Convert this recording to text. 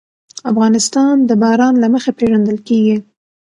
افغانستان د باران له مخې پېژندل کېږي.